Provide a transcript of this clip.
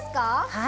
はい。